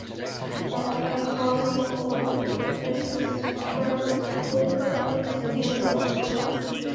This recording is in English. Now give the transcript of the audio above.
Brent A. Holsclaw is the Superintendent of Schools.